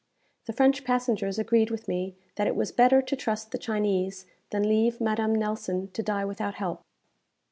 The French passengers agreed with me that it was better to trust the Chinese than leave Madame Nelson to die without help.